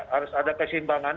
harus ada kesimbangan